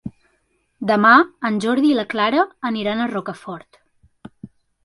Demà en Jordi i na Clara iran a Rocafort.